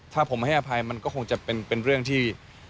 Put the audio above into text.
ถ้าผมไม่ให้อภัยมันก็คงจะเป็นเรื่องที่